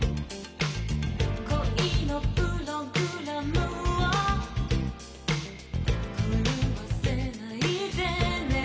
「恋のプログラムを狂わせないでね」